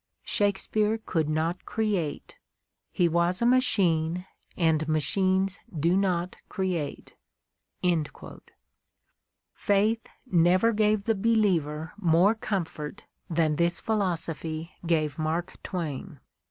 ... Shakespeare could not create. He was a machine, and machines do not create." Faith never gave the believer more comfort than this phil osophy gave Mark Twain.